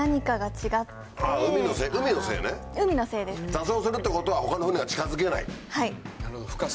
座礁するってことは他の船が近づけない。